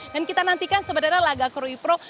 dan kita nantikan sebenarnya laga krui pro